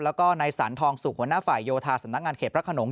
แล้วก็ในสรรทองสุกหัวหน้าฝ่ายโยธาสำนักงานเขตพระขนง